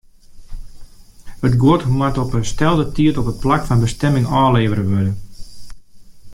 It guod moat op 'e stelde tiid op it plak fan bestimming ôflevere wurde.